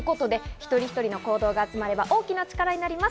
一人一人の行動が集まれば大きな力になります。